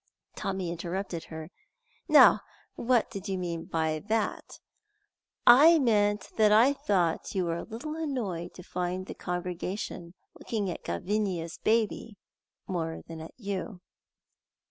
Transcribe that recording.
'" Tommy interrupted her: "Now what did you mean by that?" "I meant that I thought you were a little annoyed to find the congregation looking at Gavinia's baby more than at you!"